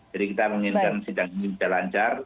jadi kita menginginkan sidang ini lancar